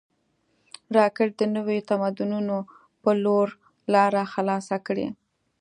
راکټ د نویو تمدنونو په لور لاره خلاصه کړې